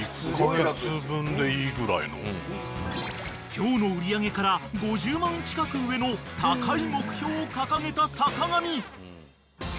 ［今日の売り上げから５０万近く上の高い目標を掲げた坂上］